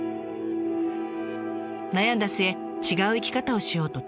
悩んだ末違う生き方をしようと退職。